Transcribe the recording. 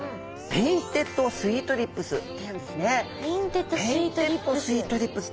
ペインテッドスイートリップス。